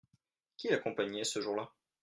Qui l’accompagnait ce jour-là ?